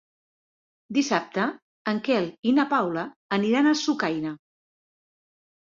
Dissabte en Quel i na Paula aniran a Sucaina.